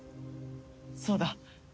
そうだ。